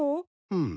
うん。